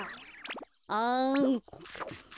あん。